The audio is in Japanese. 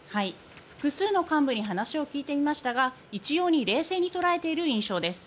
複数の幹部に話を聞いてみましたが一様に冷静にとらえている印象です。